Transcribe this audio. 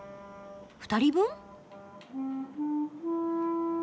２人分？